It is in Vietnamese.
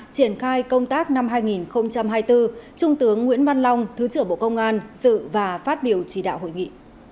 triển khai công tác năm hai nghìn hai mươi bốn trung tướng nguyễn văn long thứ trưởng bộ công an dự và phát biểu chỉ đạo hội nghị